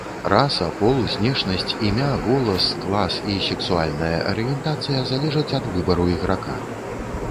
Раса, пол, знешнасць, імя, голас, клас і сексуальная арыентацыя залежаць ад выбару іграка.